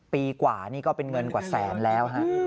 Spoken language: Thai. ปีกว่านี่ก็เป็นเงินกว่าแสนแล้วฮะ